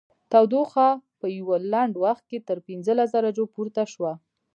تودوخه په یوه لنډ وخت کې تر پنځلس درجو پورته شوه